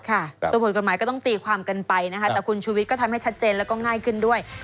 ค่ะตัวผลกรรมก็ต้องตีความกันไปแต่คุณชุวิตก็ทำให้ชัดเจนและง่ายขึ้นด้วย